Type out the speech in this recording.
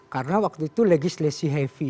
karena waktu itu legislasi heavy pak